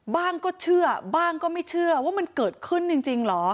ก็เชื่อบ้างก็ไม่เชื่อว่ามันเกิดขึ้นจริงเหรอ